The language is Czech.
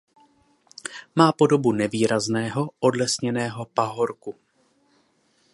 Má podobu nevýrazného odlesněného pahorku.